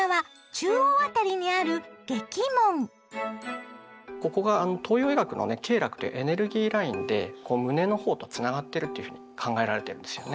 中央辺りにあるここが東洋医学のね経絡というエネルギーラインでこう胸の方とつながってるというふうに考えられてるんですよね。